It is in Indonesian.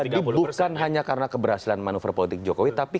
jadi bukan hanya karena keberhasilan manuver politik jokowi tapi